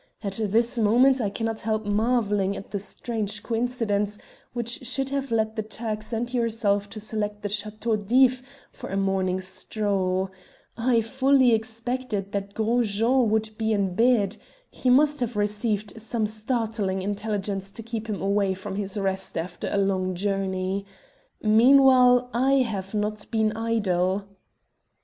At this moment I cannot help marvelling at the strange coincidence which should have led the Turks and yourself to select the Chateau d'If for a morning stroll. I fully expected that Gros Jean would be in bed. He must have received some startling intelligence to keep him away from his rest after a long journey. Meanwhile, I have not been idle."